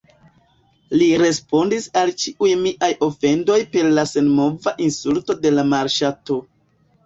Li respondis al ĉiuj miaj ofendoj per la senmova insulto de la malŝato.